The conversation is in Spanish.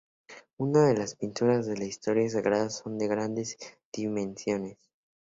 Unas de sus pinturas de la historia sagrada son de grandes dimensiones.